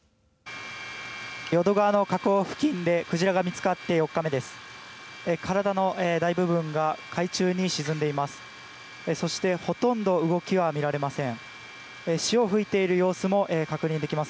淀川の河口付近でクジラが見つかって４日目です。